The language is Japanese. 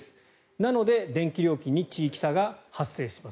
なので電気料金に地域差が発生します。